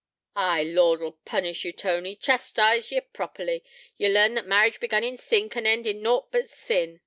Ay, Lord 'ull punish ye, Tony, chastize ye properly. Ye'll learn that marriage begun in sin can end in nought but sin.